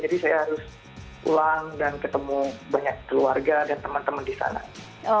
jadi saya harus pulang dan ketemu banyak keluarga dan teman teman di sana